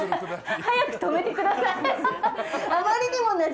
早く止めてください！